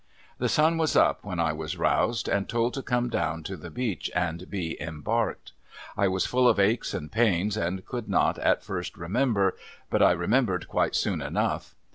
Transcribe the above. The sun was up, when I was roused and told to come down to the beach and be embarked. I was full of aches and pains, and could not at first remember ; but, I remembered quite soon enough.